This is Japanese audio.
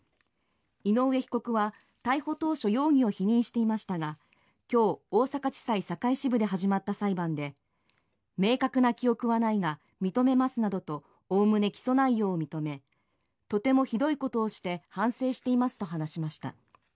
井上被告は逮捕当初容疑を否認していましたが今日、大阪地裁堺支部で始まった裁判で明確な記憶はないが認めますなどとおおむね起訴内容を認めとてもひどいことをして反省していますと話しました。